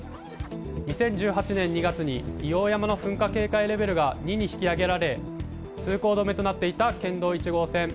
２０１８年２月に硫黄山の噴火警戒レベルが２に引き上げられ通行止めとなっていた県道１号線。